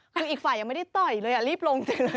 แต่อีกฝ่ายังไม่ได้ต่อยเลยรีบลงจริง